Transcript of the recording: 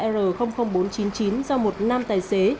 bốn mươi ba r bốn trăm chín mươi chín do một nam tài xế